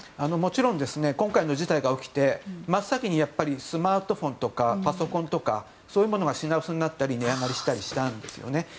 もちろん今回の事態が起きて真っ先にスマートフォンとかパソコンとかそういうものが品薄になったり値上がりしたんですよね。